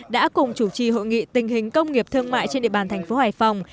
đã cùng chủ trì hội nghị tình hình công nghiệp thương mại trên địa bàn tp hải phòng